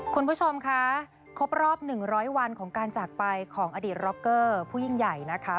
คุณผู้ชมคะครบรอบ๑๐๐วันของการจากไปของอดีตร็อกเกอร์ผู้ยิ่งใหญ่นะคะ